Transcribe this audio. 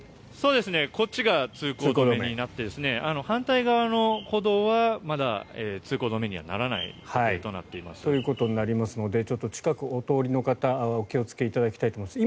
こっちが通行止めになって反対側の歩道はまだ通行止めにはならないこととなっています。ということになりますので近くをお通りの方はお気をつけいただきたいと思います。